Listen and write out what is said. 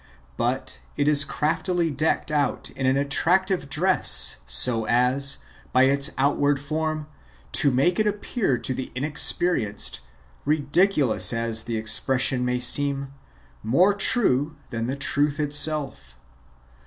But it is craftily decked out in an attractive dress, so as, by its outward form, to make it appear to the inexperienced (ridiculous as the expression may seem) more true than the truth itself.